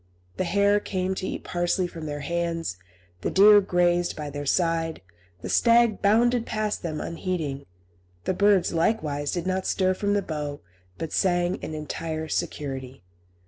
The hare came to eat parsley from their hands, the deer grazed by their side, the stag bounded past them unheeding; the birds, likewise, did not stir from the bough, but sang in entire security.